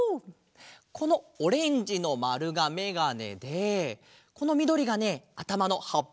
このオレンジのまるがめがねでこのみどりがねあたまのはっぱなんだって！